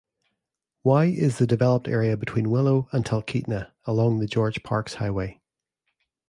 Y is the developed area between Willow and Talkeetna along the George Parks Highway.